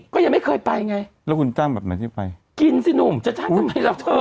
ก็ยังไม่เคยไปไงแล้วคุณจ้างแบบไหนที่ไปกินสิหนุ่มจะจ้างทำไมล่ะเธอ